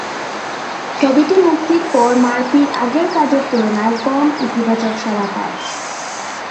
ছবিটি মুক্তির পর মার্ফির আগের কাজের তুলনায় কম ইতিবাচক সাড়া পায়।